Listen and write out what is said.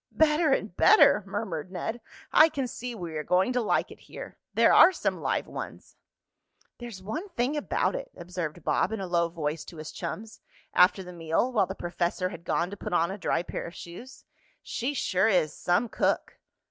"Better and better!" murmured Ned. "I can see we are going to like it here. There are some live ones." "There's one thing about it," observed Bob in a low voice to his chums, after the meal, while the professor had gone to put on a dry pair of shoes, "she sure is some cook!"